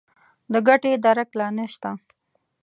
د ګټې درک لا نه شته.